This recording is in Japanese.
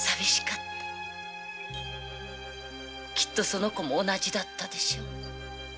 その子も同じだったでしょう。